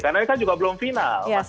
karena kan juga belum final